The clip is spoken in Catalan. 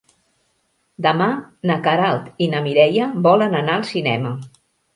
Demà na Queralt i na Mireia volen anar al cinema.